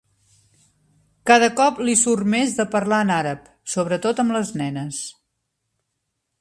Cada cop li surt més de parlar en àrab, sobretot amb les nenes.